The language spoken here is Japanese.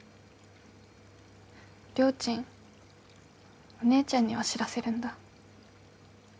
りょーちんお姉ちゃんには知らせるんだ。